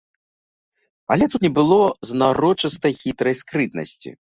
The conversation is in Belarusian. Але тут не было знарочыстай хітрай скрытнасці.